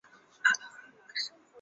纽黑文大学位于此地。